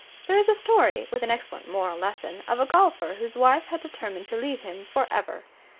There is a story, with an excellent moral lesson, of a golfer whose wife had determined to leave him for ever.